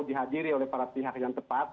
dihadiri oleh para pihak yang tepat